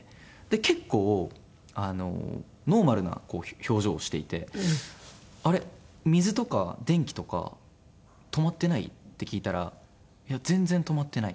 結構ノーマルな表情をしていて「あれ？水とか電気とか止まってない？」って聞いたら「全然止まってない。